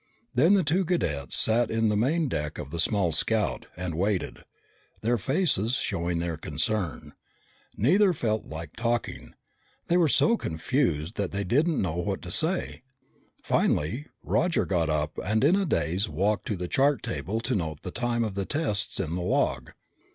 Then the two cadets sat in the main deck of the small scout and waited, their faces showing their concern. Neither felt like talking. They were so confused that they didn't know what to say. Finally Roger got up and in a daze walked to the chart table to note the time of the tests in the log.